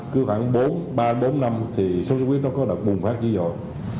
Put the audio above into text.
cứ khoảng bốn ba bốn năm thì sốt xuất huyết nó có đợt bùng phát dữ dội